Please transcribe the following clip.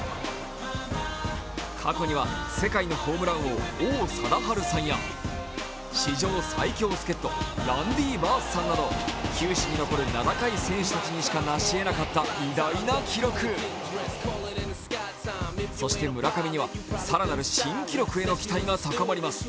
過去には世界のホームラン王、王貞治さんや史上最強助っ人、ランディ・バースさんなど球史に残る名高い選手たちにしかなしえなかった偉大な記録そして村上には更なる新記録への期待が高まります。